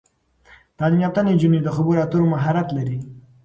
تعلیم یافته نجونې د خبرو اترو مهارت لري.